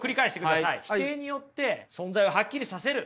否定によって存在をハッキリさせる。